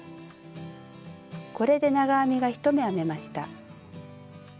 これで長編みが１目編めました。